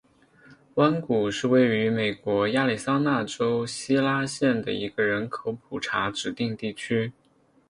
弯谷是位于美国亚利桑那州希拉县的一个人口普查指定地区。